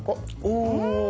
お！